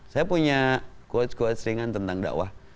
saya punya quotes quotes ringan tentang dakwah